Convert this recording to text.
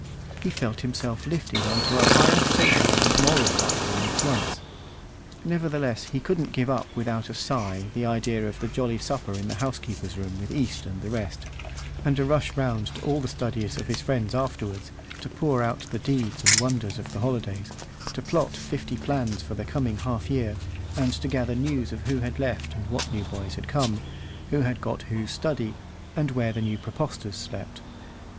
He felt himself lifted on to a higher social and moral platform at once. Nevertheless he couldn't give up without a sigh the idea of the jolly supper in the housekeeper's room with East and the rest, and a rush round to all the studies of his friends afterwards, to pour out the deeds and wonders of the holidays, to plot fifty plans for the coming half year, and to gather news of who had left and what new boys had come, who had got who's study, and where the new praepostors slept.